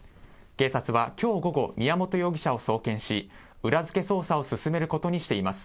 警察はきょう午後、宮本容疑者を送検し、裏付け捜査を進めることにしています。